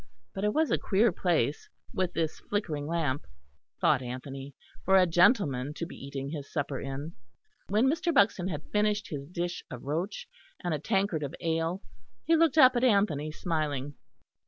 But it was a queer place with this flickering lamp, thought Anthony, for a gentleman to be eating his supper in. When Mr. Buxton had finished his dish of roach and a tankard of ale, he looked up at Anthony, smiling.